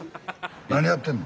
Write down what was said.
何やってんの？